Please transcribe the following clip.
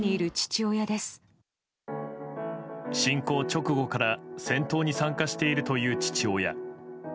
侵攻直後から戦闘に参加しているという父親。